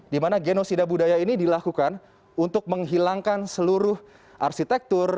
dimana genosida budaya ini dilakukan untuk menghilangkan seluruh arsitektur